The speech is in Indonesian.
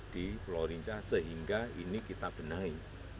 di pulau rinca sehingga ini kita benahi